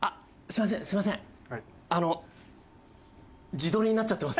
自撮りになっちゃってます。